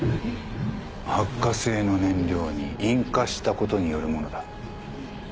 発火性の燃料に引火したことによるものだ。